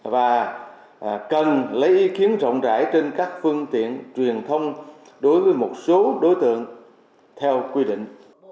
và cần lấy ý kiến rộng rãi trên các phương tiện truyền thông đối với một số đối tượng theo quy định